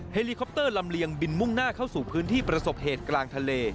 เฮลิคอปเตอร์ลำเลียงบินมุ่งหน้าเข้าสู่พื้นที่ประสบเหตุกลางทะเล